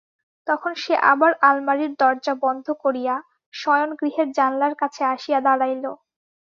তখন সে আবার আলমারির দরজা বন্ধ করিয়া শয়নগৃহের জানলার কাছে আসিয়া দাঁড়াইল।